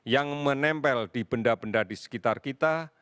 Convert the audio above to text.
yang menempel di benda benda di sekitar kita